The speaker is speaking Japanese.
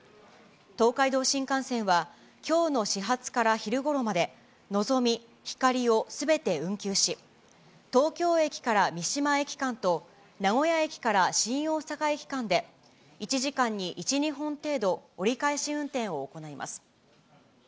東海道新幹線は、きょうの始発から昼ごろまで、のぞみ、ひかりをすべて運休し、東京駅から三島駅間と名古屋駅から新大阪駅間で、１時間に１、２本程度、折り返し運転を行います。